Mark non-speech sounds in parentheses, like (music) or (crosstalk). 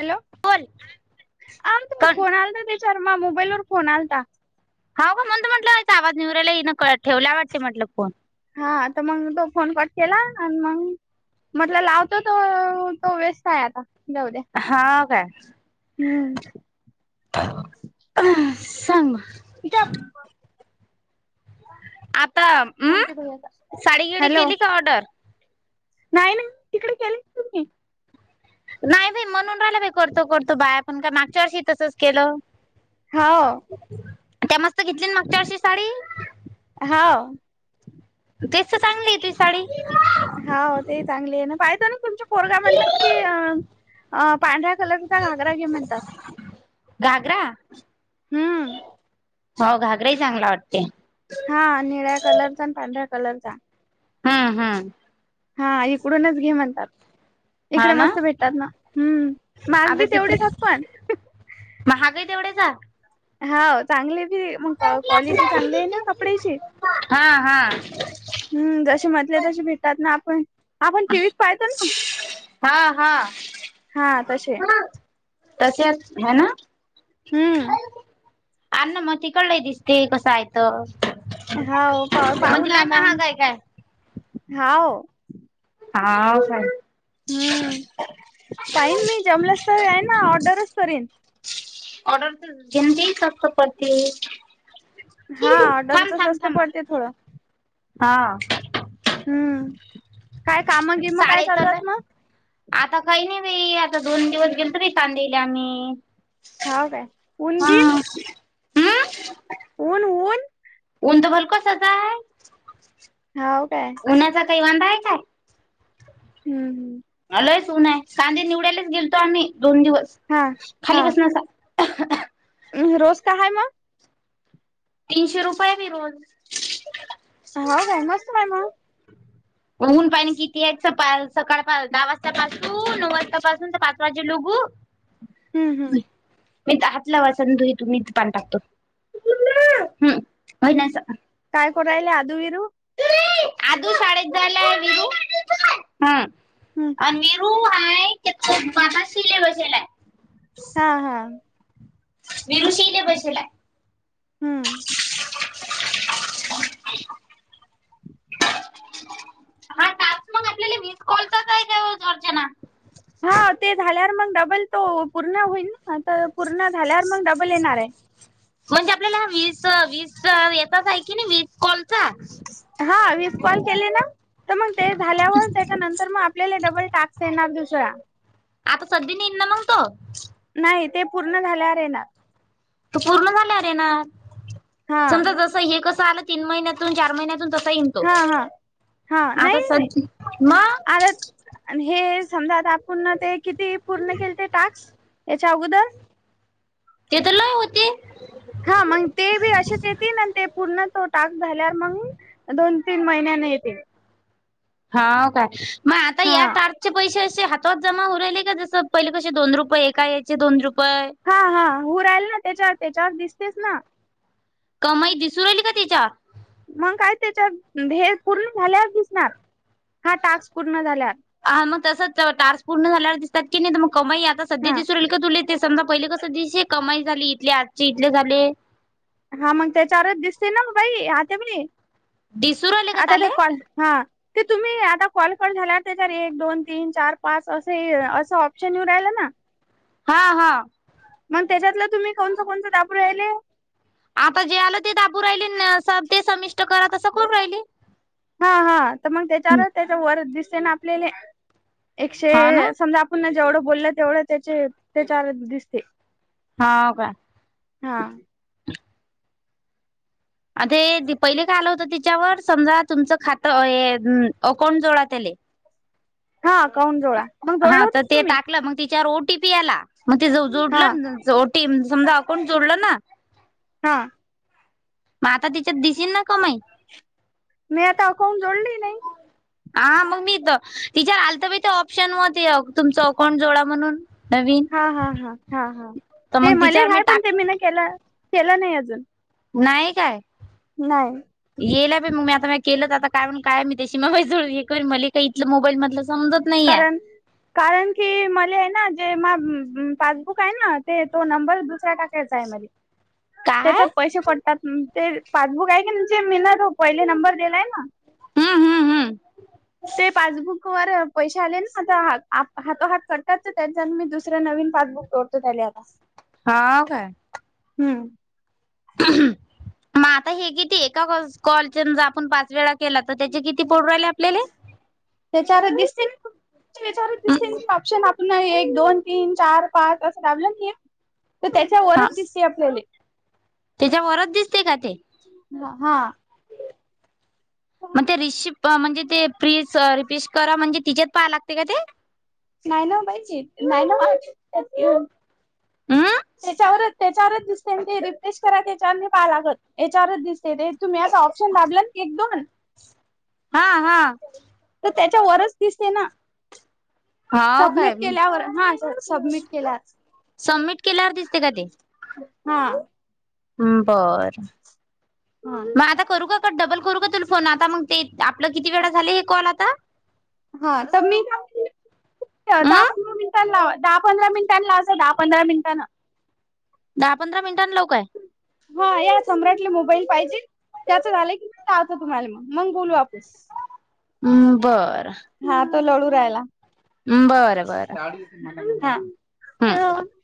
Hello बोल आम कोण फोन आलता त्याच्यावर माझ्या मोबाईल वर फोन आलता. हो का म्हण त म्हटलं आवाज येऊ नाय राहिला ठेवल्या वाटते म्हटलं फोन. हा तर मग तो फोन कट केला आणि मग म्हटलं लावतो त तो व्यस्त आहे आता, जाऊद्या आता. हा काय. हम्म अ सांग मगं. (inaudible) आता अं साडी गिडी हॅलो केली का ऑर्डर? तिकडे केले की तुम्ही. नाही बाई म्हणून राहिलं बा करतो करतो बाया पण मागच्या वर्षी तसंच केलं. हाव. त्या मस्त घेतली मागच्या वर्षी साडी. हो तेस चांगलीय हाय तुझ साडी. हो ते चांगले आहे ना, पाहित ना तुमच्या पोरगा म्हणतो की अ अ पांढऱ्या कलरचा घागरा घे म्हणतात, घागरा हम्म. हो घागराही चांगला वाटते. हा निळ्या कलर चा आणि पांढऱ्या कलर चा. हा हम्म. हा इकडूनच घे म्हणतात. हा इकडे ना मस्त भेटतात ना, हम्म म बी तेवढेचात पण महागई तेवढे हाय. हा चांगले बी मग क्वालिटी चांगली आहे ना कपड्याची. हा हा हम्म जसे म्हटले तसे भेटात ना आपण आपण टीव्ही पाहतो ना हा हा हा तसे. तसे ह ना. हम्म अन म तिकळ दिस्ते कस आयतो. होव पा पाहु ना आता महाग आहे काय? हाव. हाव (inaudible) हम्म पाहीन मी जमलंस तर आहे ना ऑर्डरच करीन. ऑर्डर तर घेन (inaudible) हां ऑर्डरच जास्त पडतंय थोडं. हा. हम्म काय कामं गीमं काय साडे चालू तर आहे मग? आता काही नाही बाई आता दोन दिवस गेलतो बाई (inaudible) हाव काय? (inaudible) हा. हम्म ऊन ऊन उंटरव्ह्यल कशाचा आहे? हाव काय? उन्हाचा काही वांदा हाय काय? (inaudible) हम्म हं अ लयच ऊनय कांदे निवडायलाच गेलतो आम्ही दोन दिवस, हां, खाली बसना असं. (inaudible) अह रोज काय हाय मग? तीनशे रुपयेनी रोज. हा बाई मस्त बाई मग. ऊन पाहीना किती आहे? सकाळ सकाळ पा दहा वाजतापासून तू नऊ वाजतापासून ते पाच वाजे लुगू. हं, हं. तु हितं हात लावायचा नाही मी हितं पाणी टाकतो. (unintelligible) हम्म (unintelligible) काय करू राहिले आदू विरू? आदू शाळेत जायलाय विरू हां हं. आणि विरू बाहेर त्याचे बाबा शिले बसवलाय. हा हा विरु शी ले बसलाय. हम्म (inaudible) हा टास्क मग आपल्याला वीस कॉलचाच आहे का अर्चना? हो ते झाल्यावर मग डबल तो पूर्ण होईल ना तर पूर्ण झाल्यावर मग डबल येणार ये. म्हणजे आपल्याला वीस वीस येतच आहे की नाय वीस कॉल. हा वीस कॉल केले ना, तर मग ते झाल्यावर त्याच्यानंतर मग आ पल्याला डबल टास्क येणार दुसरा. आता सध्दी नाही ना मग तो? नाही ते पूर्ण झाल्यावर येणार. तो पूर्ण झाल्यावर येणार, हा समजा जसं हे कसं आलं तीन महिन्यातून चार महिन्यातून तसं येईन. तो हा हा हा आता सद् मगं आणि हे समजा आता आपण ते किती पूर्ण केलते टाक्स, याच्या अगोदर? ते तर लय होती. हा मग ते बी अशीच येतीन आणि ते पूर्ण तो टास्क झाल्यावर मंग दोन तीन महिन्यान येतील. हाव काय? मग आता हा या तार चे पैसे असे हातात जमा होऊ राहिले का? जसं पहिले कसे दोन रुपये एका यायचे दोन रुपये? हा हा होऊ राहिलना त्याच्या त्याच्यावर दिसतेच ना. कमाई दिसू राहिली का त्याच्या? मग काय त्याच्यावर हे पूर्ण झाल्यावच दिसणार, हा टास्क पूर्ण झाल्यावर. हा मग तसच टार्स पूर्ण झाल्यावर दिस त्यात की नाही तर मग कमाई आता सध्या हा दिसू राहिली का तुले ते समजा पहिले कसं दिसे कमाई झाली? इथली आजचे इथले झाले. हा मग त्याच्यावरच दिसते ना बाई (unintelligible) दिसू राहिले का आता ठेव ताले कॉल हां. ते तुम्ही आता कॉल कट झाल्यावर त्याच्यावर एक दोन तीन चार पाच असे असं ऑप्शन येऊ राहिलं ना. हा हा मग त्याच्यातलं तुम्ही कोणचं कोणतं दाबू राहिले? आता जे आलं ते दाबू राहिले न ते समिष्ट करा तसं सबमीष्ट करू राहिले. हा हा, तर मग त्याच्यावर त्याच्या वर दिसते ना आपल्याले,, एकशे हा ना समजा आप पुन्हा जेवढं बोललं तेवढं त्याचे त्याच्यार दिसते. हाव का. हां. आ ते पहिले काय आलं होतं तिच्यावर, समजा तुमचं खातं अ अकाऊंट जोडा तेले. हा अकाउंट जोळा. हा तर ते टाकलं, मग तिच्यावर ओटीपी आला, मग ते हा जोडलं ओटीएम समजा अकाउंट जोडलं ना हां. मग आता तिच्यात दिसेना कमाई. मी यात अकाउंट जोडलीई नाई. (inaudible) हा, मग मी इथं,, ईचार आलतं बई ते ऑप्शन मते तुमचं अकाउंट जोडा म्हणून. नवीन हा हा हा हा हा, तर ते मग मले तिच्यावर मी हाय पण टाक ते मीनं के केलं नाही अजून. नाही काय? नाही. येला प मग मी आता मग केलं, आता काय म्हण काय मी त्या मगज एक मलिका इथलं मोबाईल मधलं समजत नाहीये कारण कारण की मले आहे ना, जे मा पासबुक आहे ना, ते तो नंबर दुसऱा टाकायचा आहे मले. काय त्याच्यात पैसे पडतात. ते पासबुक आहेकी जे मिनं, पहिले नंबर दिलाय ना हम्म हम्म हम्म ते पासबुक वर पैसे आले ना आता, ह हातो हात करतात त्यांच्यान मी दुसरं नवीन पासबुक जोडतो त्याले आता. (inaudible) हाऽऽ काय. हम्म ह (unintelligible) मग आता हे कितीय, एका कॉल आपण पाच वेळा केला तर त्याचे किती पडू राहिले आपल्याले. (inaudible) त्याच्यार दिसते त्या दिसते ऑप्शन आप पण ना एक दोन तीन चार पाच असं दाबलं नाही तर त्याच्यावरच दिसते आपल्याले. त्याच्या वरच दिसते का ते? ह हां. मग ते रिष म्हणजे ते प्रि रिपेश करा, म्हणजे तिच्यात पाहा लागते का ते? नाही ना बाईची, नाही ना अंऽऽऽ त्याच्यावरच त्याच्यावरच दिसते ते रिफ्रेश करा त्याच्यावर नाई पाहाला लागत. तेचावरच दिसते ते, तुम्ही आता ऑप्शन दाबलं ना एक दोन हा हा तर त्याच्यावररच दिसते ना,, हाव सबमिट काय केल्यावर,, हा सबमिट केलाच सबमिट केल्यावर दिसते का ते? हा बरं हा मग आता. करू का का डबल करू का तुला फोन आता मग ते आपलं किती वेळा झाले हे कॉल आता. हा तर मी का. (unintelligible) दहा अं पंधरा मिनिटां लावा दहा पंधरा मिनिटां लावसाल दहा पंधरा मिनिटांना. दहा पंधरा मिनिटां लाऊ काय? हा या सम्राटले मोबाईल पाहिजे त्याचं झालं की मी लावतो तुम्हाला मग बोलू आपूण. हम्म बरं. हा तो रडू राहायला. हम् बरं बरं. हा. हम्म. (unintelligible)